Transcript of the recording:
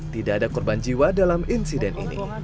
tidak ada korban jiwa dalam insiden ini